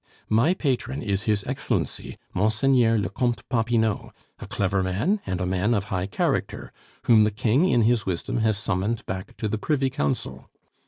My patron is His Excellency, Monseigneur le Comte Popinot, a clever man and a man of high character, whom the King in his wisdom has summoned back to the privy council.